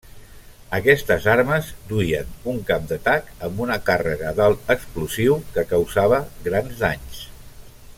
Aquestes armes duien un cap d'atac amb una càrrega d'alt explosiu que causava grans danys.